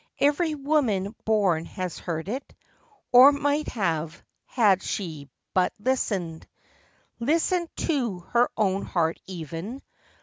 Every woman born has heard it; Or might have, had she but listened— Listened to her own heart even.